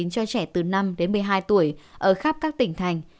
cho trẻ từ năm đến một mươi hai tuổi ở khắp các tỉnh thành